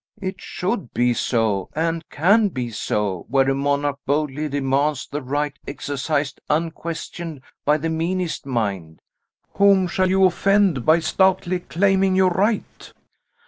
"It should be so, and can be so, where a monarch boldly demands the right exercised unquestioned by the meanest hind. Whom shall you offend by stoutly claiming your right?